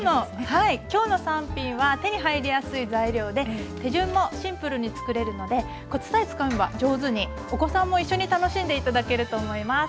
はい今日の３品は手に入りやすい材料で手順もシンプルに作れるのでコツさえつかめば上手にお子さんも一緒に楽しんで頂けると思います。